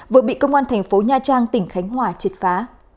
vừa bị công an thành phố nha trang tỉnh khánh hòa triệt phá